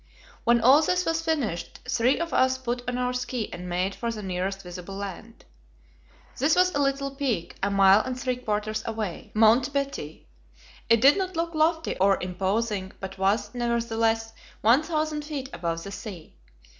When all this was finished, three of us put on our ski and made for the nearest visible land. This was a little peak, a mile and three quarters away Mount Betty. It did not look lofty or imposing, but was, nevertheless, 1,000 feet above the sea.